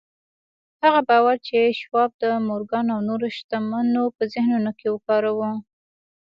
هغه باور چې شواب د مورګان او نورو شتمنو په ذهنونو کې وکاره.